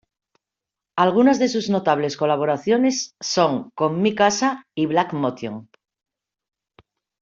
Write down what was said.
Algunas de sus notables colaboraciones son con Mi Casa y Black Motion.